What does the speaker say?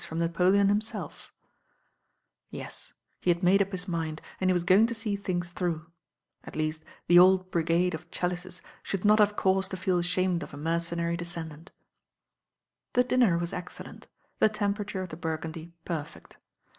tn T^'i^ ^*^/"»^VP his mind, and he was going to see things through; at least, the old brigade of 158 THE RAm OIRL Challicei should not have cause to feel ashamed of a mercenary descendant. The dinner was excellent, the temperature of the burgundy perfect.